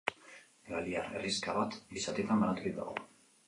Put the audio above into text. Galiar herrixka bat bi zatitan banaturik dago.